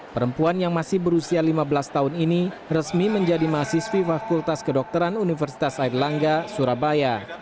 perempuan yang masih berusia lima belas tahun ini resmi menjadi mahasiswi fakultas kedokteran universitas airlangga surabaya